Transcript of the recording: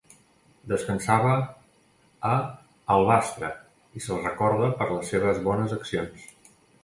Descansa a Alvastra i se'l recorda per les seves bones accions.